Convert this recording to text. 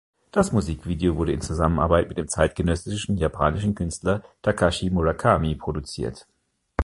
Das Musikvideo wurde in Zusammenarbeit mit dem zeitgenössischen japanischen Künstler Takashi Murakami produziert.